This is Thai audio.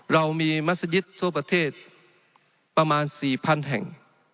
เรามีมัศยิตทั่วประเทศประมาณ๔๐๐๐แห่ง